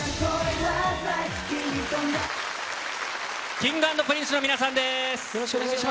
Ｋｉｎｇ＆Ｐｒｉｎｃｅの皆さんです。